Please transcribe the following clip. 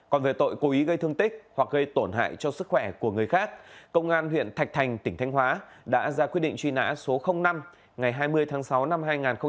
còn về tội cố ý gây thương tích hoặc gây tổn hại cho sức khỏe của người khác công an huyện thạch thành tỉnh thanh hóa đã ra quyết định truy nã số năm ngày hai mươi tháng sáu năm hai nghìn một mươi ba